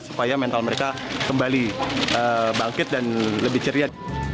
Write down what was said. supaya mental mereka kembali bangkit dan lebih ceria